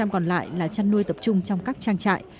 năm mươi còn lại là chăn nuôi tập trung trong các trang trại